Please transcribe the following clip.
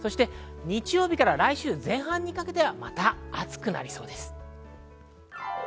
日曜日から来週前半にかけてはまた暑くなりそうです。